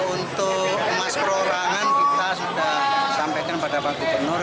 untuk emas perorangan kita sudah sampaikan pada pak gubernur